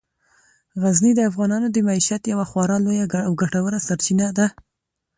غزني د افغانانو د معیشت یوه خورا لویه او ګټوره سرچینه ده.